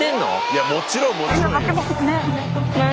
いやもちろんもちろんよ。